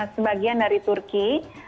sebagian dari turki